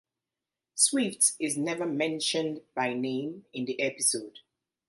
Swift is never mentioned by name in the episode.